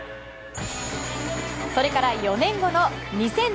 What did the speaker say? それから４年後の２００２年。